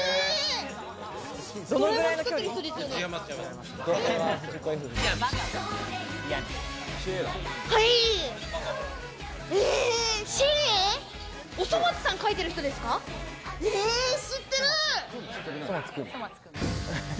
ドラえもん作ってる人ですよね。